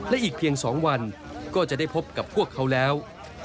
และอีกเพียง๒วันก็จะได้พบกับพวกเขาแล้ว